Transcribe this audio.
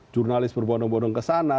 jurnalis berbondong bondong kesana